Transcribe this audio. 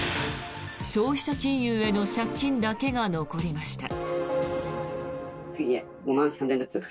消費者金融への借金だけが残りました。